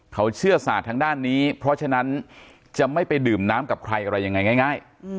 เขาเชื่อศาสตร์ทางด้านนี้เพราะฉะนั้นจะไม่ไปดื่มน้ำกับใครอะไรยังไงง่าย